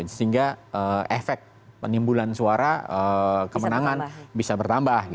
sehingga efek penimbulan suara kemenangan bisa bertambah